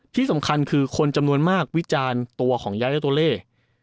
ที่สำคัญคือคนจำนวนมากวิจารณ์ตัวของย้ายและตัวเลข